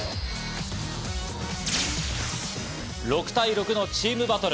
６対６のチームバトル。